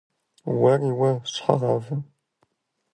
- Уэри уэ, щхьэгъавэ!